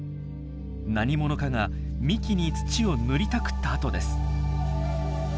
何者かが幹に土を塗りたくった跡です。